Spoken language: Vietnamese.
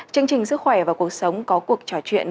chương trình sức khỏe và cuộc sống có cuộc trò chuyện